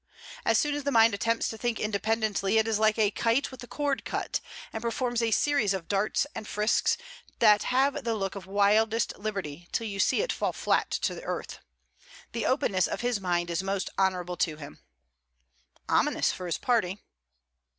As soon as the mind attempts to think independently, it is like a kite with the cord cut, and performs a series of darts and frisks, that have the look of wildest liberty till you see it fall flat to earth. The openness of his mind is most honourable to him.' 'Ominous for his party.'